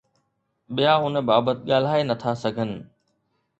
ٻيا ان بابت ڳالهائي نٿا سگهن.